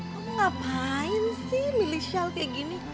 kamu ngapain sih milik shawl kayak gini